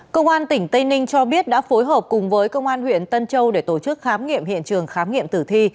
công an tỉnh tây ninh cho biết đã phối hợp cùng với công an huyện tân châu để tổ chức khám nghiệm hiện trường khám nghiệm tử thi